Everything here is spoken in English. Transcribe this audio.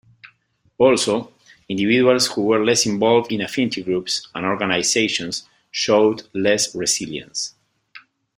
Also, individuals who were less involved in affinity groups and organisations showed less resilience.